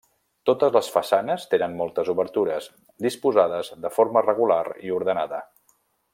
Totes les façanes tenen moltes obertures, disposades de forma regular i ordenada.